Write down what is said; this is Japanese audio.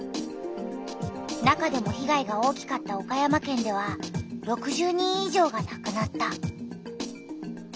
中でも被害が大きかった岡山県では６０人い上がなくなった。